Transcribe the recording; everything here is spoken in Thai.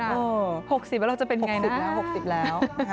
๖๐แล้วเราจะเป็น๖๐แล้ว๖๐แล้ว